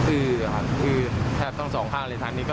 อื้ออื้อแทบต้องสองธาตุเลย